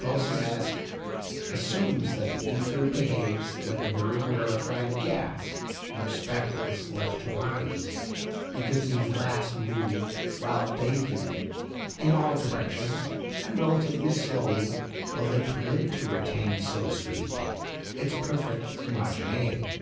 Boussinesq assumes that the ether behaves like a very rarefied gas in respect of the celestial bodies, because these last move, while bathed in it, in all directions and relatively slowly, while they permit it to retain, so to speak, its perfect homogeneity.